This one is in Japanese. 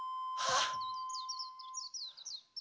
ああ。